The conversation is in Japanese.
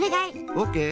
オッケー！